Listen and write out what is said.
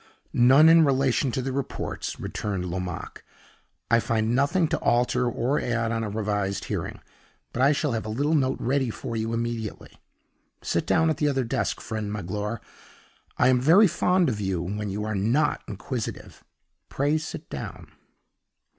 "None in relation to the reports," returned Lomaque. "I find nothing to alter or add on a revised hearing. But I shall have a little note ready for you immediately. Sit down at the other desk, friend Magloire; I am very fond of you when you are not inquisitive; pray sit down."